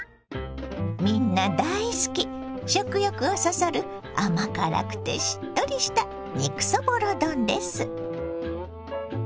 みんな大好き食欲をそそる甘辛くてしっとりした肉そぼろ丼です。